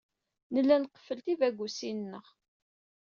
Nella nqeffel tibagusin-nneɣ.